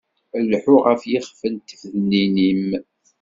Lḥu ɣef yixef n tfednin-im.